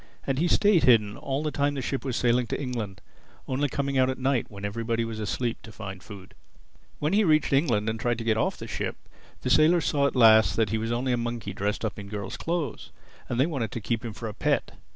And he stayed hidden all the time the ship was sailing to England—only coming out at night, when everybody was asleep, to find food. When he reached England and tried to get off the ship, the sailors saw at last that he was only a monkey dressed up in girl's clothes; and they wanted to keep him for a pet.